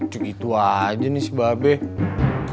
cukup itu aja nih si babes